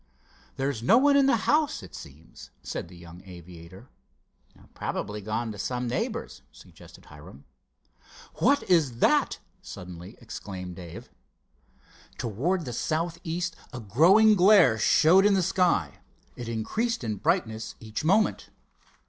"There's no one in the house, it seems," said the young aviator. "Probably gone to some neighbor's," suggested Hiram. "What is that?" suddenly exclaimed Dave. Towards the southeast a growing glare showed in the sky. It increased in brightness each moment.